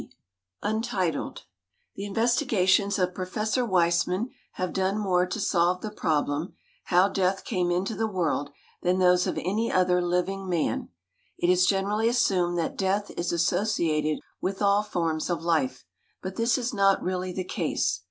The investigations of Professor Weismann have done more to solve the problem, "How death came into the world" than those of any other living man. It is generally assumed that death is associated with all forms of life, but this is not really the case.